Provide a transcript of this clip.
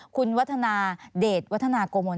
คุณวัฒนาเดชวัฒนาโกมล